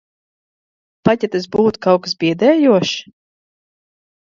Pat ja tas būtu kaut kas biedējošs?